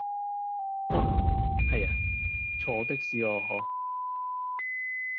啊係呀坐的士啊可